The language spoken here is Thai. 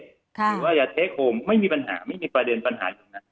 หรือว่ายาเทคโฮมไม่มีปัญหาไม่มีประเด็นปัญหาตรงนั้น